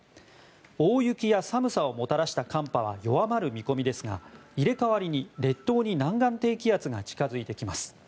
大雪や寒さをもたらした寒波は弱まる見込みですが入れ替わりに列島に南岸低気圧が近付いてきます。